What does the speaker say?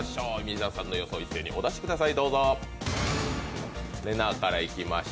皆さんの予想を一斉にお出しください。